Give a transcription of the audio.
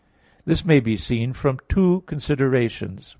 This may be seen from two considerations.